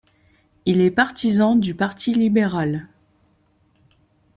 Il est partisan du parti Libéral.